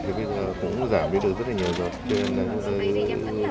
thì bây giờ cũng giảm đi được rất là nhiều rồi